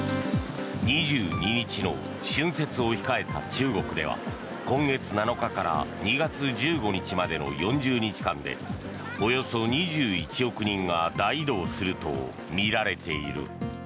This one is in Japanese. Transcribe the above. ２２日の春節を控えた中国では今月７日から２月１５日までの４０日間でおよそ２１億人が大移動するとみられている。